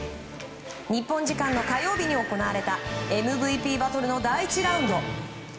日本時間の火曜日に行われたＭＶＰバトルの第１ラウンド。